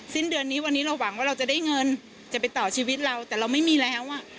สิ้นเดือนนี้วันนี้เราหวังว่าเราจะได้เงินจะไปต่อชีวิตเราแต่เราไม่มีแล้วอ่ะ